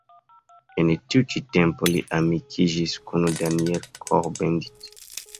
En tiu ĉi tempo li amikiĝis kun Daniel Cohn-Bendit.